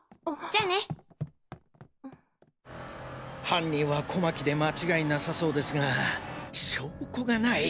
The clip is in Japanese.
犯人は小牧で間違いなさそうですが証拠がない。